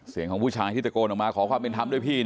ของผู้ชายที่ตะโกนออกมาขอความเป็นธรรมด้วยพี่